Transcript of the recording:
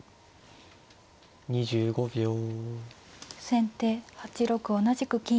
先手８六同じく金。